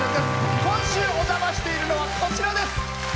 今週お邪魔しているのはこちらです。